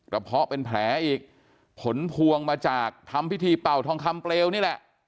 เพาะเป็นแผลอีกผลพวงมาจากทำพิธีเป่าทองคำเปลวนี่แหละ